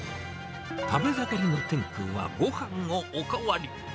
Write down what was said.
食べ盛りの天君は、ごはんをお代わり。